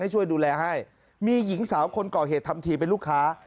ช่วยดูแลให้มีหญิงสาวคนก่อเหตุทำทีเป็นลูกค้า